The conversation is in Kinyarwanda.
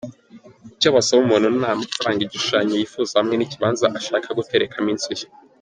Icyo basaba umuntu ni amafaranga, igishushanyo yifuza hamwe n’ikibanza ashaka guterekamo inzu ye.